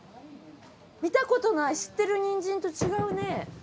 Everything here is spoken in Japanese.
見たことない知ってるニンジンと違うね。